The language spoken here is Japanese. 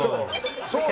そう。